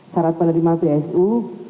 sarat penerima bsu